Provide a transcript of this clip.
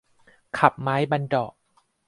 ขับไม้บัณเฑาะว์